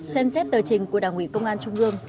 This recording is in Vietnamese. xem xét tờ trình của đảng ủy công an trung ương